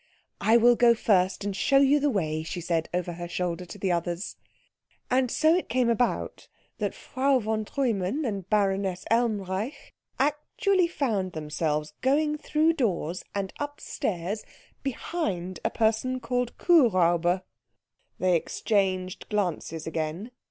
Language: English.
"I will go first and show you the way," she said over her shoulder to the others. And so it came about that Frau von Treumann and Baroness Elmreich actually found themselves going through doors and up stairs behind a person called Kuhräuber. They exchanged glances again.